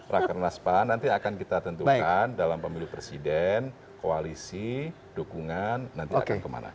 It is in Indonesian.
rakernas pan nanti akan kita tentukan dalam pemilu presiden koalisi dukungan nanti akan kemana